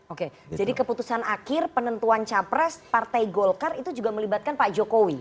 oke jadi keputusan akhir penentuan capres partai golkar itu juga melibatkan pak jokowi